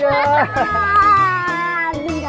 jatuh pak keselamanya